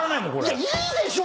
いやいいでしょ！